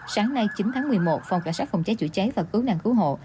sáng nay chín tháng một mươi một phòng cảnh sát phòng cháy chữa cháy và cứu nạn cứu hộ